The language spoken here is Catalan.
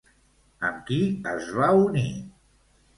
Amb qui es va unir?